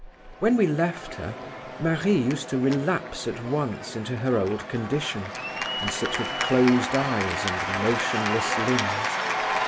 "When we left her, Marie used to relapse at once into her old condition, and sit with closed eyes and motionless limbs.